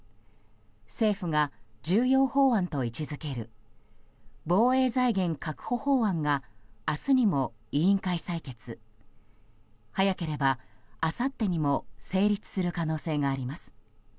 政府が重要法案と位置付ける防衛財源確保法案が明日にも委員会採決早ければあさってにも成立する可能性があります。